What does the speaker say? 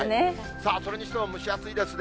さあ、それにしても蒸し暑いですね。